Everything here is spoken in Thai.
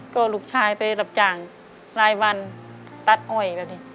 ก็ลูกชายไปรับจ่างรายวัลตัดอ้อย